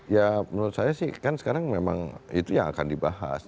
ya menurut saya sih kan sekarang memang itu yang akan dibahas